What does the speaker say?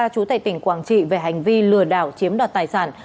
chủ tệ tỉnh quảng trị về hành vi lừa đảo chiếm đoạt tài sản